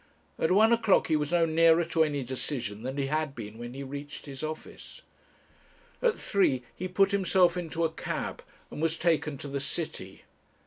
At one o'clock he was no nearer to any decision than he had been when he reached his office. At three he put himself into a cab, and was taken to the city.